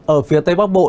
ở phía tây bắc bộ